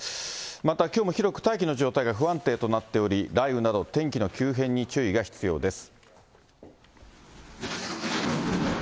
またきょうも広く大気の状態が不安定となっており、雷雨など天気の急変に注意が必要です。